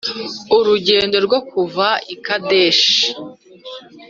Urugendo rwo kuva i Kadeshi-